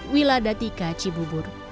wiladati kaci bubur